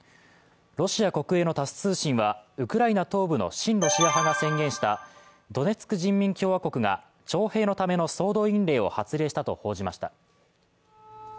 ロシア国営のタス通信は、ウクライナ東部の親ロシア派が宣言したドネツク人民共和国が徴兵のための総動員令を発令したと報じました。